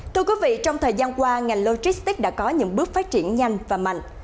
thưa quý vị trong thời gian qua ngành logistics đã có những bước phát triển nhanh và mạnh